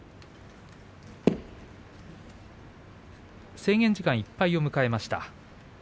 制限時間いっぱいを迎えました。